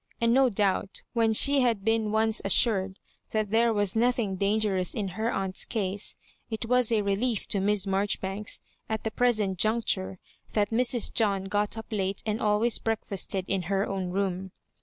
And no doubt, when she had been once assured that there was nothing dangerous in her aunt's case, it was a relief to Miss Marjori banks at the present juncture that Mrs. John got up late and always breakfasted in her own room.